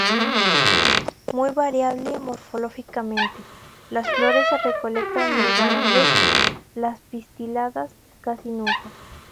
Muy variable morfológicamente; las flores se recolectan muy raras veces, las pistiladas casi nunca.